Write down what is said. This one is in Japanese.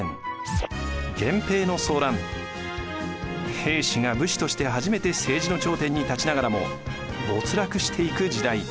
平氏が武士として初めて政治の頂点に立ちながらも没落していく時代。